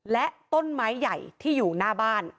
และต้นไม้ใหญ่ที่อยู่หน้าบ้าน